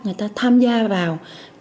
người ta tham gia vào